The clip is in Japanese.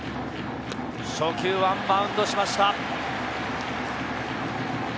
初球はバウンドしました。